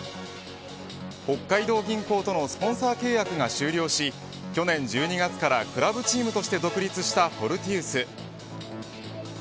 北海道銀行とのスポンサー契約が終了し去年１２月からクラブチームとして独立したフォルティウス。